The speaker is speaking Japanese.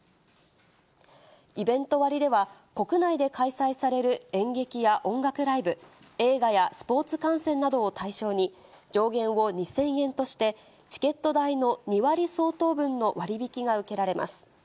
イベント割では、国内で開催される演劇や音楽ライブ、映画やスポーツ観戦などを対象に、上限を２０００円として、チケット代の２割相当分の割引が受けられます。